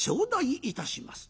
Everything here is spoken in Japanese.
頂戴いたします」。